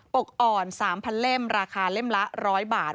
กอ่อน๓๐๐เล่มราคาเล่มละ๑๐๐บาท